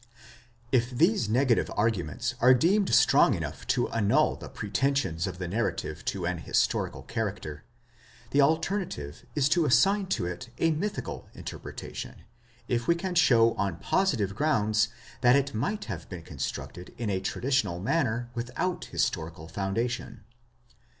If these negative arguments are deemed strong enough to annul the pre tensions of the narrative to an historical character, the alternative is to assign to it a mythical interpretation, if we can show on positive grounds that it might have been constructed in a traditional manner without historical foundation.